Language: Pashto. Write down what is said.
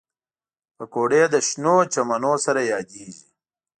پکورې له شنو چمنو سره یادېږي